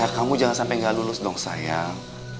kamu jangan sampai gak lulus dong sayang